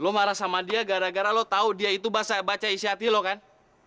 lo marah sama dia gara gara lo tau dia itu baca isyati lo kan